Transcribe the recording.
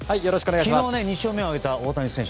昨日、２勝目を挙げた大谷選手。